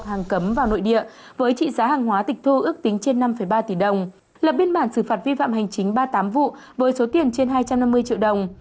hàng cấm vào nội địa với trị giá hàng hóa tịch thu ước tính trên năm ba tỷ đồng lập biên bản xử phạt vi phạm hành chính ba mươi tám vụ với số tiền trên hai trăm năm mươi triệu đồng